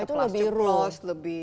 papa itu lebih rule